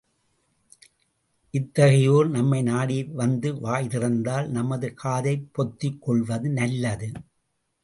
இத்தகையோர் நம்மை நாடி வந்து வாய் திறந்தால் நமது காதைப் பொத்திக் கொள்வது நல்லது.